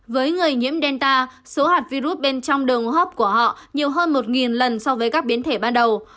với người nhiễm delta số hạt virus bên trong đường hấp của họ nhiều hơn một lần so với các biến thể ban đầu